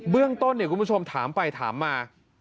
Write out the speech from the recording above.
เรื่องต้นคุณผู้ชมถามไปถามมา